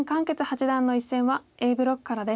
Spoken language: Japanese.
傑八段の一戦はＡブロックからです。